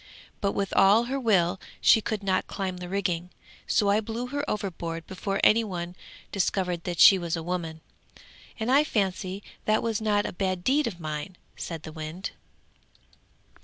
But with all her will she could not climb the rigging; so I blew her overboard before any one discovered that she was a woman, and I fancy that was not a bad deed of mine!' said the wind.